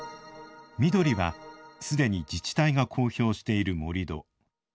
緑はすでに自治体が公表している盛土。